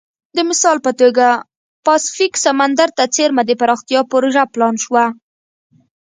د مثال په توګه پاسفیک سمندر ته څېرمه د پراختیا پروژه پلان شوه.